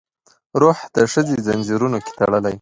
روح د ښځې ځنځیرونو کې تړلی